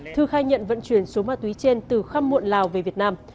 thư khai nhận vận chuyển số ma túy trên từ khắp muộn lào về việt nam